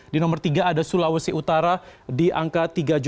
ya ada sulawesi utara di angka tiga tiga ratus sepuluh tujuh ratus dua puluh tiga